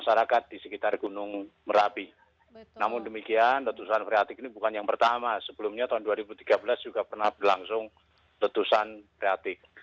sebelumnya tahun dua ribu tiga belas juga pernah berlangsung letusan priatik